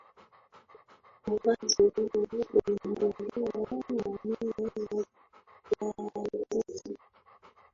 Mradi huu uligundua mamia ya hadithi.